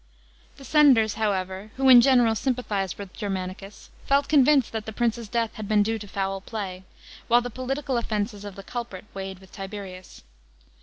The senators, however, who in general sympathised with Germanicus, felt convinced that the prince's death had been due to foul play, while the political offences of the culprit weighed with Tiberius.